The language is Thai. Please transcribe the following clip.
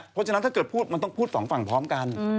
เพราะฉะนั้นถ้าเกิดพูดมันต้องพูดสองฝั่งพร้อมกัน